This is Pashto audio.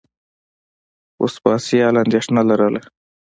وسپاسیان اندېښنه لرله.